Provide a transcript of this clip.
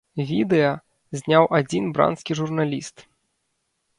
Відэа зняў адзін бранскі журналіст.